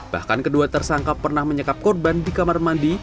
bahkan kedua tersangka pernah menyekap korban di kamar mandi